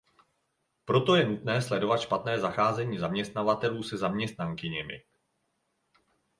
Proto je nutné sledovat špatné zacházení zaměstnavatelů se zaměstnankyněmi.